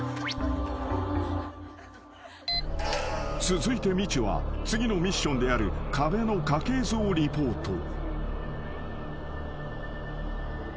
［続いてみちゅは次のミッションである壁の家系図をリポート］